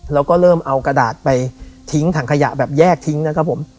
แล้วก็เริ่มเอากระดาษไปทิ้งถังขยะแบบแยกทิ้งนะครับผม